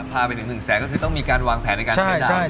พาไปถึง๑แสนก็คือต้องมีการวางแผนในการใช้จ่าย